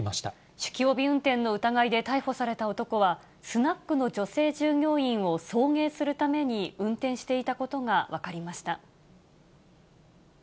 酒気帯び運転の疑いで逮捕された男は、スナックの女性従業員を送迎するために運転していたことが分かりました。